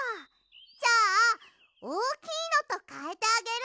じゃあおおきいのとかえてあげる！